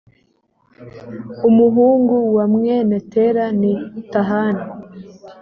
umuhungu wa mwene tela ni tahani